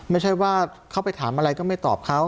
ไม่ใช่ว่าเขาไปถามอะไรก็ไม่ตอบเขา